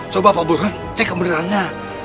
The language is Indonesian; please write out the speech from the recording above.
coba pak bukan cek kebenarannya